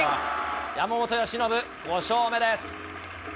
山本由伸、５勝目です。